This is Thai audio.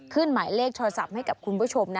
หมายเลขโทรศัพท์ให้กับคุณผู้ชม